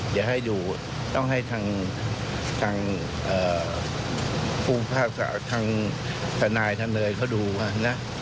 จะให้ดูต้องให้ทางสนายทะเึยดูว่านะ